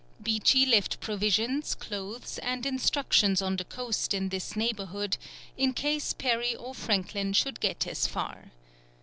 Beechey left provisions, clothes, and instructions on the coast in this neighbourhood in case Parry or Franklin should get as far.